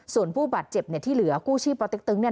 ส่วนผู้บาดเจ็บเนี่ยที่เหลือกู้ชีพปติ๊กตึ๊งเนี่ย